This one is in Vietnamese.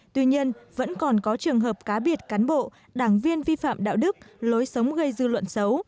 tuy nhiên vẫn còn có trường hợp cá biệt cán bộ đảng viên vi phạm đạo đức lối sống gây dư luận xấu